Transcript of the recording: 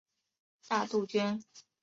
大杜鹃。